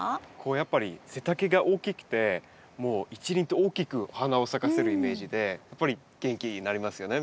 やっぱり背丈が大きくてもう一輪と大きく花を咲かせるイメージでやっぱり元気になりますよね